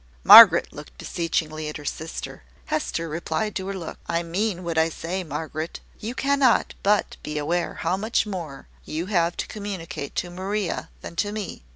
Margaret looked beseechingly at her sister. Hester replied to her look: "I mean what I say, Margaret. You cannot but be aware how much more you have to communicate to Maria than to me.